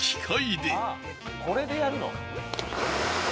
あっこれでやるの？